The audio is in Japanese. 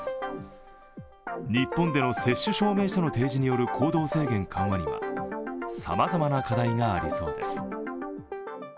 日本での接種証明書の提示による行動制限緩和には様々な課題がありそうです。